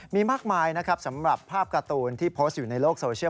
มีมากมายนะครับสำหรับภาพการ์ตูนที่โพสต์อยู่ในโลกโซเชียล